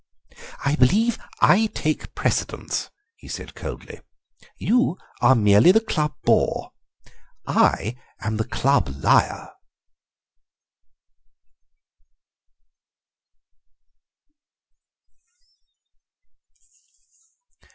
"I believe I take precedence," he said coldly; "you are merely the club Bore; I am the club Liar."